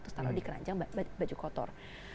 terus taruh di keranjang baju kotor